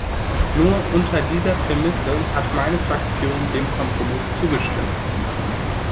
Nur unter dieser Prämisse hat meine Fraktion dem Kompromiss zugestimmt.